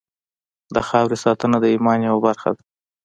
د خاورې ساتنه د ایمان یوه برخه ده.